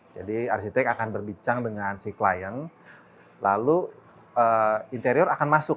jadi arsitek akan berbicara dengan si klien lalu interior akan masuk